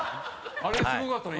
あれすごかったね